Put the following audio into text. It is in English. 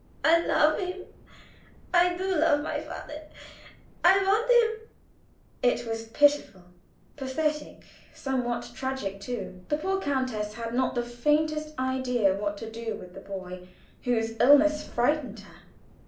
I love him; I do love my father, and I want him." It was pitiful, pathetic, somewhat tragic too. The poor countess had not the faintest idea what to do with the boy, whose illness frightened her.